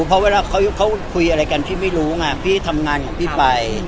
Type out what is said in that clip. เพราะพูดอะไรกันปื๋มิรู้ปืบี้ทำงานมันพี่ไป